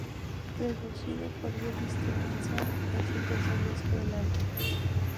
Producido por Bill Stevenson, es el tercer disco del álbum.